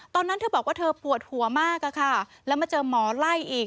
ตอนนั้นเธอบอกว่าเธอปวดหัวมากอะค่ะแล้วมาเจอหมอไล่อีก